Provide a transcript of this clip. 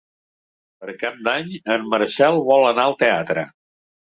Per Cap d'Any en Marcel vol anar al teatre.